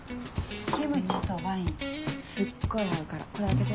キムチとワインすっごい合うからこれ開けて。